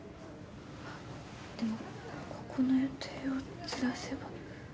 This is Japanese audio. でもここの予定をずらせば。